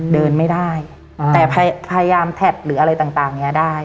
เดินไม่ได้แต่พยายามแท็บหรืออะไรต่างเนี้ยได้